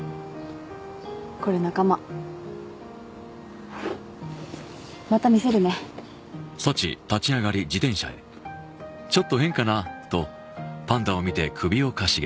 これ仲間また見せるねあっ